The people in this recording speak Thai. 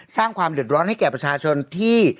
สร้างความเดือดร้อนให้แก่ประชาชนที่